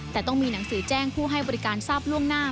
แต่ต้องมีหนังสือแจ้งผู้ให้บริการทราบล่วงหน้า